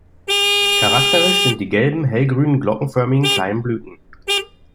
Charakteristisch sind die gelben, hellgrünen, glockenförmigen kleinen Blüten.